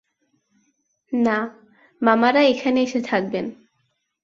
না, মামারা এখানে এসে থাকবেন।